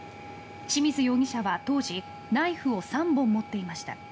清水容疑者は当時ナイフを３本持っていました。